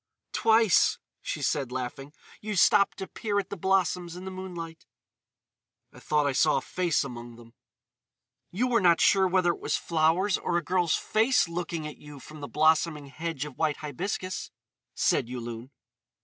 "Twice," she said, laughing, "you stopped to peer at the blossoms in the moonlight." "I thought I saw a face among them." "You were not sure whether it was flowers or a girl's face looking at you from the blossoming hedge of white hibiscus," said Yulun.